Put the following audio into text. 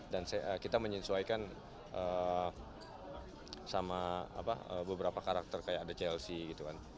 dan kita menyesuaikan sama beberapa karakter kayak ada chelsea gitu kan